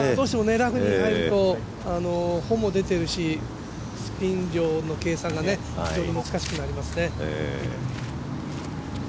ラフに入ると出てるしスピン量の計算が非常に難しくなりますね。